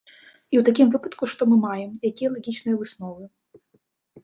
І ў такім выпадку, што мы маем, якія лагічныя высновы?